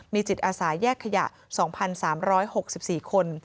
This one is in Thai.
มีจิตอาสาแยกขยะ๒๓๖๔คน